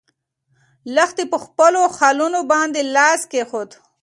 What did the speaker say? لښتې په خپلو خالونو باندې لاس کېښود.